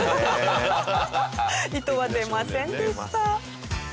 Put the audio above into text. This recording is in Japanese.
糸は出ませんでした。